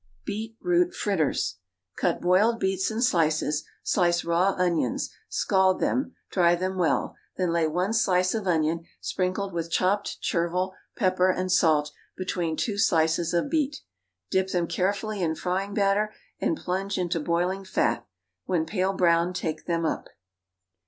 Beet root Fritters. Cut boiled beets in slices; slice raw onions; scald them; dry them well; then lay one slice of onion, sprinkled with chopped chervil, pepper, and salt, between two slices of beet. Dip them carefully in frying batter, and plunge into boiling fat; when pale brown take them up.